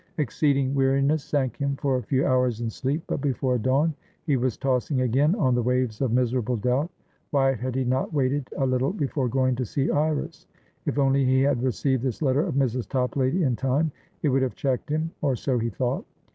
Exceeding weariness sank him for a few hours in sleep; but before dawn he was tossing again on the waves of miserable doubt. Why had he not waited a little before going to see Iris? If only he had received this letter of Mrs. Toplady in time, it would have checked himor so he thought.